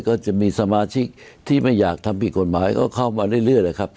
ก็จะมีสมาชิกที่ไม่อยากทำผิดกฎหมายก็เข้ามาเรื่อยแหละครับ